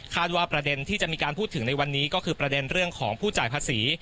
ว่าประเด็นที่จะมีการพูดถึงในวันนี้ก็คือประเด็นเรื่องของผู้จ่ายภาษี